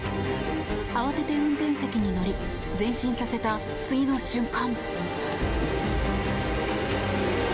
慌てて運転席に乗り前進させた次の瞬間。